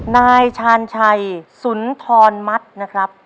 นายชาญชัยศูนย์ธรรมัฐนะครับ